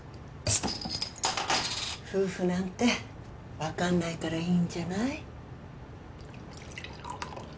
夫婦なんて分かんないからいいんじゃない？